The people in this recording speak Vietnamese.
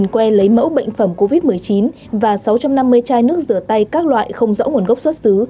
que lấy mẫu bệnh phẩm covid một mươi chín và sáu trăm năm mươi chai nước rửa tay các loại không rõ nguồn gốc xuất xứ